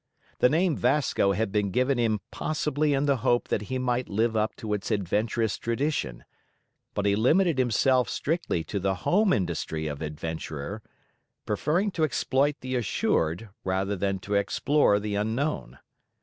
The name Vasco had been given him possibly in the hope that he might live up to its adventurous tradition, but he limited himself strictly to the home industry of adventurer, preferring to exploit the assured rather than to explore the unknown.